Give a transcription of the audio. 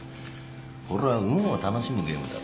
これは運を楽しむゲームだろ。